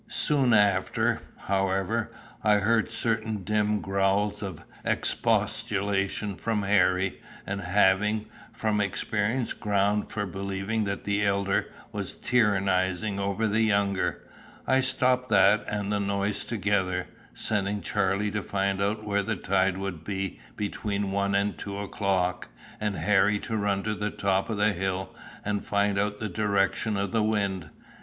Soon after, however, I heard certain dim growls of expostulation from Harry, and having, from experience, ground for believing that the elder was tyrannising over the younger, I stopped that and the noise together, sending Charlie to find out where the tide would be between one and two o'clock, and Harry to run to the top of the hill, and find out the direction of the wind.